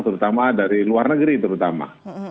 terutama dari luar negeri terutama